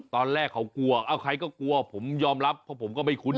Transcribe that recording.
ตอนแรกเขากลัวเอ้าใครก็กลัวผมยอมรับเพราะผมก็ไม่คุ้น